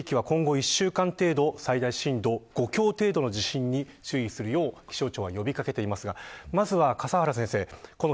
揺れが強かった地域では今後１週間程度最大震度５強程度の地震に注意するよう気象庁は呼び掛けていますがまずは笠原先生